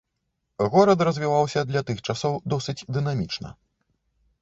Горад развіваўся для тых часоў досыць дынамічна.